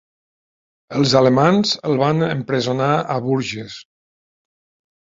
Els alemanys el van empresonar a Bourges.